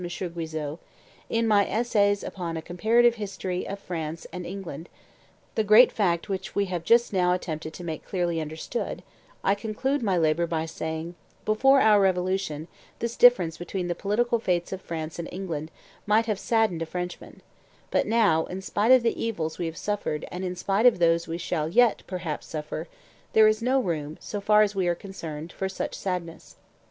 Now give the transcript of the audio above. Guizot, "in my Essays upon a Comparative History of France and England, the great fact which we have just now attempted to make clearly understood, I concluded my labor by saying, 'Before our revolution, this difference between the political fates of France and England might have saddened a French man: but now, in spite of the evils we have suffered and in spite of those we shall yet, perhaps, suffer, there is no room, so far as we are concerned, for such sadness.